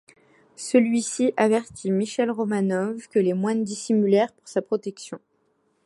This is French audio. Celui-ci avertit Michel Romanov, que les moines dissimulèrent pour sa protection.